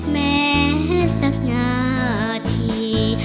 แม้สักนาที